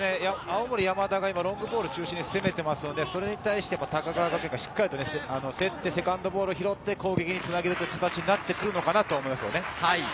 青森山田がロングボールを中心に攻めていますので、それに対して高川学園がしっかりと競って、セカンドボールを拾って、攻撃につなげるという形になってくるのかなと思います。